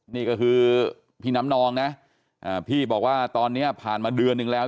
นี่ก็คือพี่น้ำนองนะพี่บอกว่าตอนนี้ผ่านมาเดือนนึงแล้ว